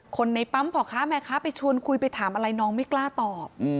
คนในปั๊มพ่อค้าแม่ค้าไปชวนคุยไปถามอะไรน้องไม่กล้าตอบ